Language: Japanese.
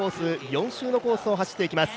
４周のコースを走っていきます。